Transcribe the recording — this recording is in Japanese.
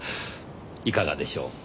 いかがでしょう？